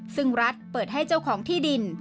ซึ่งรัฐเปิดให้เจ้าของที่ดิน